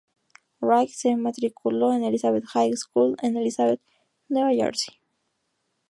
Wright se matriculó en Elizabeth High School en Elizabeth, Nueva Jersey.